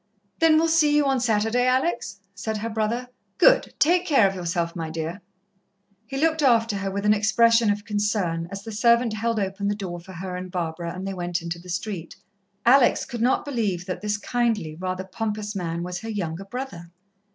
"Then we'll see you on Saturday, Alex," said her brother. "Good! Take care of yourself, my dear." He looked after her with an expression of concern, as the servant held open the door for her and Barbara and they went into the street. Alex could not believe that this kindly, rather pompous man was her younger brother.